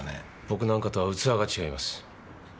僕なんかとは器が違います。